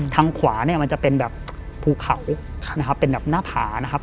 ทางขวาเนี่ยมันจะเป็นแบบภูเขานะครับเป็นแบบหน้าผานะครับ